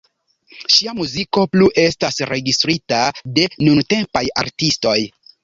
Ŝia muziko plu estas registrita de nuntempaj artistoj.